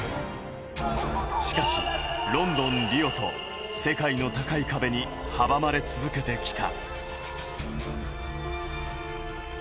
しかしロンドン、リオと世界の高い壁に阻まれ続けてきた。